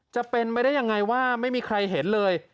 จะเป็นไปได้ยังไงว่าไม่มีใครเห็นเลย